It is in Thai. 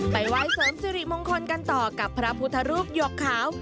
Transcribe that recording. ไปไหว้เสริมสิริมงคลกันต่อกับพระพุทธรูปหยกขาว